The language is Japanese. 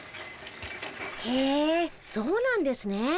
へえそうなんですね。